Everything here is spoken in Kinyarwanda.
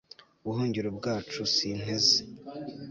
buhungiro bwacu, sinteze